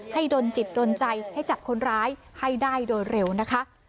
ดนจิตโดนใจให้จับคนร้ายให้ได้โดยเร็วนะคะ